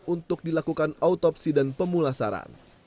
untuk dilakukan autopsi dan pemulasaran